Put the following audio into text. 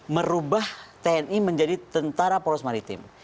merubah tni menjadi tentara poros maritim